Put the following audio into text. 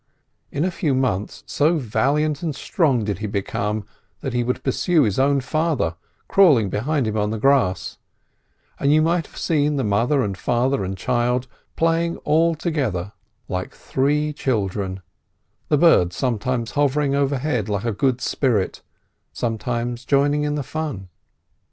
In a few months so valiant and strong did he become that he would pursue his own father, crawling before him on the grass, and you might have seen the mother and father and child playing all together like three children, the bird sometimes hovering overhead like a good spirit, sometimes joining in the fun.